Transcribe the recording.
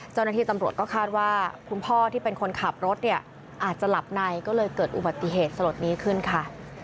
เจ้าหน้าที่ตำรวจก็คาดว่าคุณพ่อที่เป็นคนขับรถเนี่ยอาจจะหลับในก็เลยเกิดอุบัติเหตุสลดนี้ขึ้นค่ะ